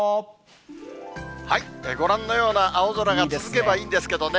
ご覧のような青空が続けばいいんですけどね。